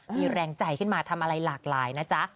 มีแรงใจขึ้นมาทำอะไรหลากหลายนะจ๊ะ